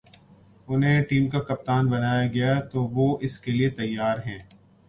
انہیں ٹیم کا کپتان بنایا گیا تو وہ اس کے لیے تیار ہیں